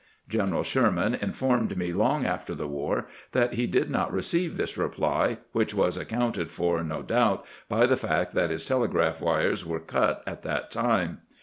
General Sherman informed me long after the war that he did not receive this reply, which was accounted for, no doubt, by the fact that his telegraph wires were cut at that time.